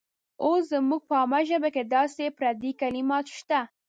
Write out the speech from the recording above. اوس زموږ په عامه ژبه کې داسې پردي کلمات شته.